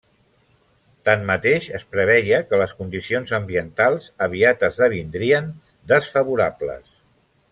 Tanmateix, es preveia que les condicions ambientals aviat esdevindrien desfavorables.